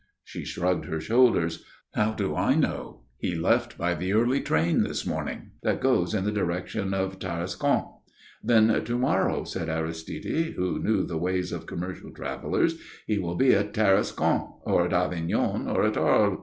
She shrugged her shoulders. "How do I know? He left by the early train this morning that goes in the direction of Tarascon." "Then to morrow," said Aristide, who knew the ways of commercial travellers, "he will be at Tarascon, or at Avignon, or at Arles."